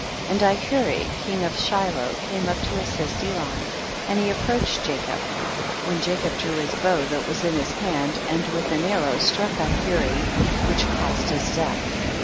And Ihuri king of Shiloh came up to assist Elon, and he approached Jacob,' when Jacob drew his bow that was in his hand and with an ar row struck Ihuri which caused his death.